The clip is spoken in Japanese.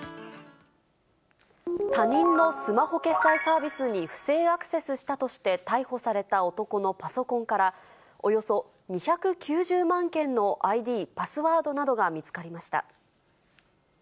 他人のスマホ決済サービスに不正アクセスしたとして、逮捕された男のパソコンから、およそ２９０万件のＩＤ、パスワードなどが見つかりました。